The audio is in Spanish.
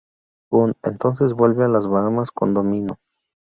Bond entonces vuelve a las Bahamas con Domino.